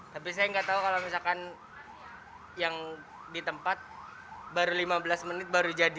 tapi saya nggak tahu kalau misalkan yang di tempat baru lima belas menit baru jadi